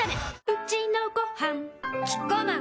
うちのごはんキッコーマン